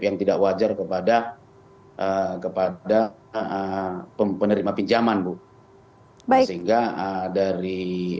yang tidak wajar kepada kepada penerima pinjaman bu sehingga dari